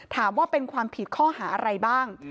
ถามว่าเป็นความผิดข้อหาอะไรบ้าง